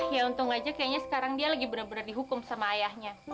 ya untung aja kayaknya sekarang dia lagi benar benar dihukum sama ayahnya